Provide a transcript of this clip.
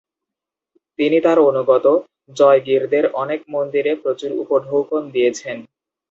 তিনি তার অনুগত জয়গীরদের অনেক মন্দিরে প্রচুর উপঢৌকন দিয়েছেন।